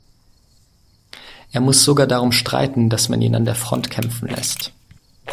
Er muss sogar darum streiten, dass man ihn an der Front kämpfen lässt.